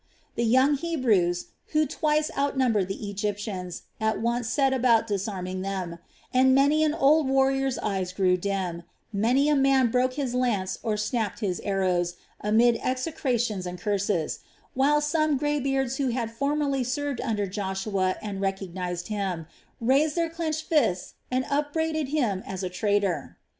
The young Hebrews, who twice outnumbered the Egyptians, at once set about disarming them; and many an old warrior's eyes grew dim, many a man broke his lance or snapped his arrows amid execrations and curses, while some grey beards who had formerly served under Joshua and recognized him, raised their clenched fists and upbraided him as a traitor.